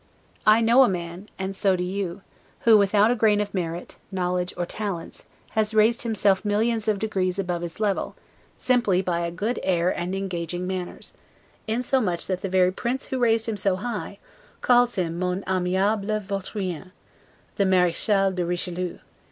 I know a man, and so do you, who, without a grain of merit, knowledge, or talents, has raised himself millions of degrees above his level, simply by a good air and engaging manners; insomuch that the very Prince who raised him so high, calls him, 'mon aimable vaut rien'; [The Marichal de Richelieu.